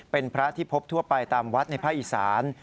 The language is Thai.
เป็นพระที่พบทั่วไปตามวัดในภาคอีสาน